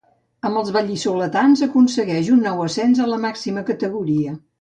Amb els val·lisoletans aconsegueix un nou ascens a la màxima categoria.